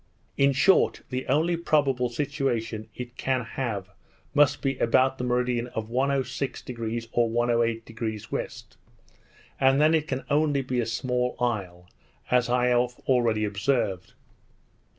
In short, the only probable situation it can have must be about the meridian of 106° or 108° west; and then it can only be a small isle, as I have already observed.